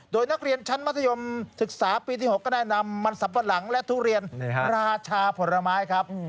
โดยนักเรียนชั้นมัธยมศึกษาปีที่๖ก็ได้นำมันสับปะหลังและทุเรียนราชาผลไม้ครับ